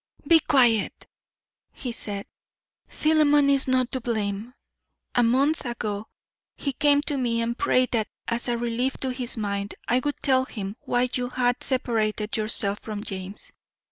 "Be quiet!" he said. "Philemon is not to blame. A month ago he came to me and prayed that as a relief to his mind I would tell him why you had separated yourself from James.